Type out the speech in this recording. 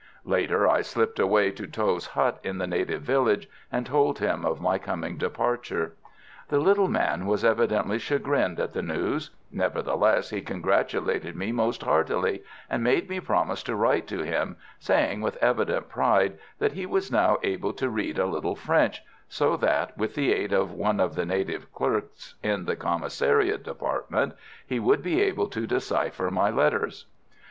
Later I slipped away to Tho's hut in the native village, and told him of my coming departure. The little man was evidently chagrined at the news; nevertheless, he congratulated me most heartily, and made me promise to write to him, saying, with evident pride, that he was now able to read a little French, so that, with the aid of one of the native clerks in the Commissariat Department, he would be able to decipher my letters.